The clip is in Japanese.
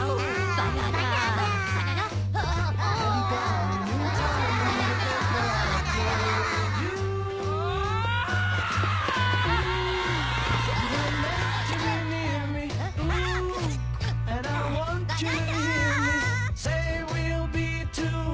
バナナ！